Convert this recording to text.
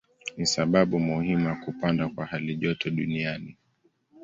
Ni sababu muhimu ya kupanda kwa halijoto duniani.